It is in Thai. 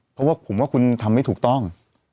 เพราะว่าผมว่าคุณทำไม่ถูกต้อง